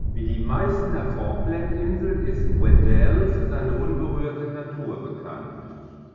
Wie die meisten der Falklandinseln ist "Weddell" für seine unberührte Natur bekannt.